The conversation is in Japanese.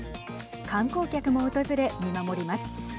観光客も訪れ、見守ります。